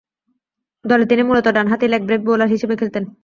দলে তিনি মূলতঃ ডানহাতি লেগ ব্রেক বোলার হিসেবে খেলতেন।